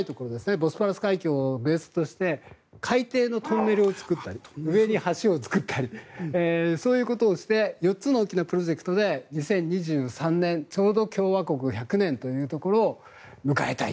ボスポラス海峡をベースとして海底のトンネルを作ったり上に橋を作ったりそういうことをして４つの大きなプロジェクトで２０２３年ちょうど共和国１００年というところを迎えたい。